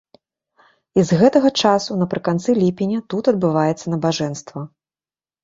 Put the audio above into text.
І з гэтага часу напрыканцы ліпеня тут адбываецца набажэнства.